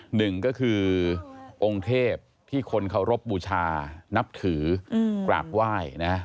หนึ่งก็คือองค์เทพที่คนเคารพบูชานับถือกราบไหว้นะ